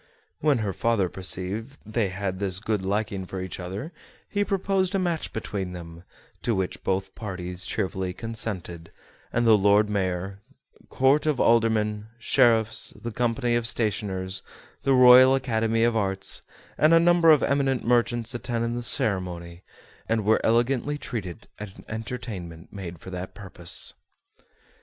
When her father perceived they had this good liking for each other he proposed a match between them, to which both parties cheerfully consented, and the Lord Mayor, Court of Aldermen, Sheriffs, the Company of Stationers, the Royal Academy of Arts, and a number of eminent merchants attended the ceremony, and were elegantly treated at an entertainment made for that purpose.